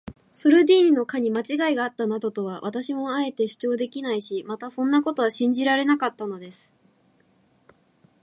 ソルディーニの課にまちがいがあったなどとは、私もあえて主張できないし、またそんなことは信じられなかったのです。